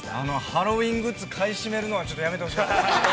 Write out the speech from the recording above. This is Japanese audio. ◆ハロウィーングッズ買い占めるのやめてほしかった。